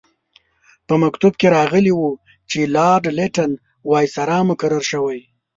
په مکتوب کې راغلي وو چې لارډ لیټن وایسرا مقرر شوی.